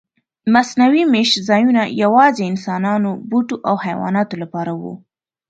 مصنوعي میشت ځایونه یواځې انسانانو، بوټو او حیواناتو لپاره و.